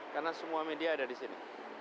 karena semua media ada di sini